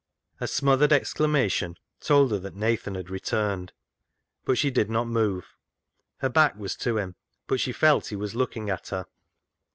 A smothered exclamation told her that Nathan had returned. But she did not move. Her back was to him, but she felt he was looking at her.